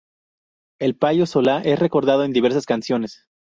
El Payo Solá es recordado en diversas canciones.